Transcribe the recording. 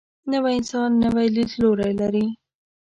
نوی انسان نوی لیدلوری لري